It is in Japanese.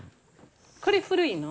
これ古いの？